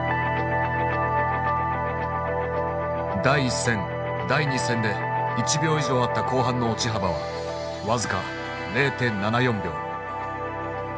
第１戦第２戦で１秒以上あった後半の落ち幅は僅か０．７４秒。